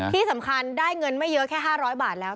ที่สำคัญได้เงินไม่เยอะแค่๕๐๐บาทแล้ว